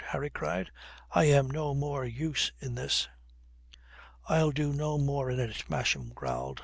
Harry cried. "I am no more use in this." "I'll do no more in it," Masham growled.